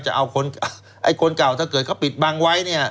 จะเอาคนเก่าถ้าเกิดเขาปิดบังไว้